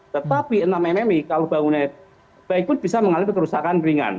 tetapi enam mmi kalau bangunnya baik pun bisa mengalami kerusakan ringan